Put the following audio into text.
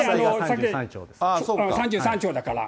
３３兆だから。